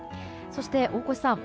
そして大越さん